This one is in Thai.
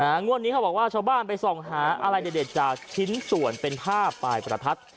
งวดนี้เขาบอกว่าชาวบ้านไปส่องหาอะไรเด็ดจากชิ้นส่วนเป็นผ้าปลายประทัด